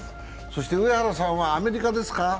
そして上原さんはアメリカですか？